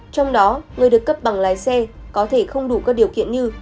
trong đó người được cấp bằng lái xe có thể không đủ các điều kiện như